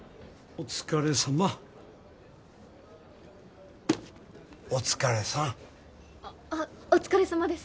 お疲れさまです。